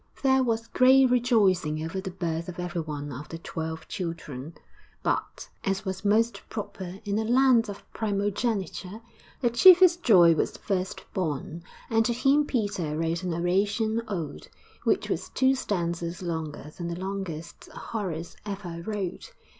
There was great rejoicing over the birth of every one of the twelve children; but, as was most proper in a land of primogeniture, the chiefest joy was the first born; and to him Peter wrote an Horatian ode, which was two stanzas longer than the longest Horace ever wrote.